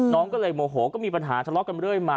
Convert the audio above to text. น้องก็เลยโมโหก็มีปัญหาทะเลาะกันเรื่อยมา